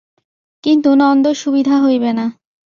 কিন্তু নন্দর সুবিধা হইবে না।